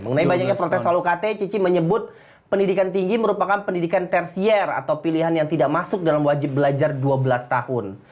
mengenai banyaknya protes lalu kt cici menyebut pendidikan tinggi merupakan pendidikan tersier atau pilihan yang tidak masuk dalam wajib belajar dua belas tahun